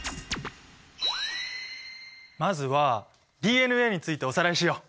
まずはＤＮＡについておさらいしよう！